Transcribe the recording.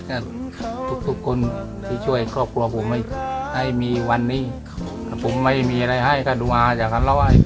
ก็ทุกทุกคนที่ช่วยครอบครัวผมให้มีวันนี้ถ้าผมไม่มีอะไรให้ก็ดูมาอย่างนั้นแล้ว